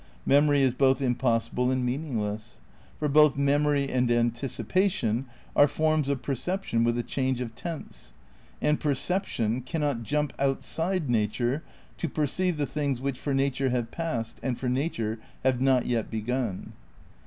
Memory is both impossible and meaning less. For both memory and anticipation are forms of perception with a change of tense, and perception can not jump outside nature to perceive the things which for nature have passed and for nature have not yet begun.